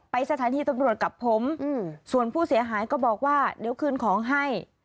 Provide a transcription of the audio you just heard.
สถานีตำรวจกับผมส่วนผู้เสียหายก็บอกว่าเดี๋ยวคืนของให้